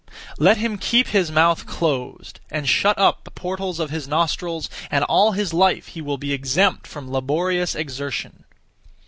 Let him keep his mouth closed, and shut up the portals (of his nostrils), and all his life he will be exempt from laborious exertion.